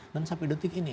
dan sampai detik ini